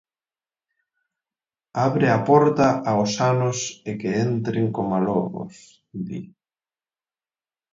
"Abre a porta aos anos e que entren coma lobos", di.